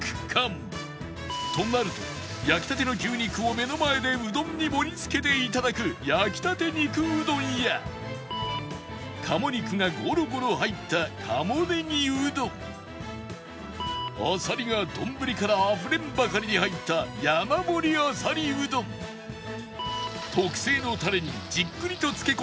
となると焼きたての牛肉を目の前でうどんに盛り付けて頂く焼きたて肉うどんや鴨肉がゴロゴロ入った鴨ねぎうどんあさりが丼からあふれんばかりに入った山盛りあさりうどん特製のたれにじっくりと漬け込んでから揚げる